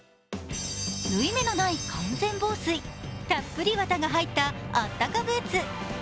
縫い目のない完全防水、たっぷり綿が入ったあったかブーツ。